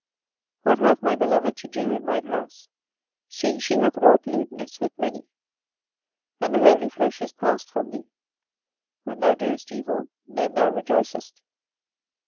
24:011:015 What hath my beloved to do in mine house, seeing she hath wrought lewdness with many, and the holy flesh is passed from thee? when thou doest evil, then thou rejoicest.